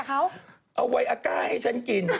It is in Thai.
เอาวัยอาก้าให้ฉันกิน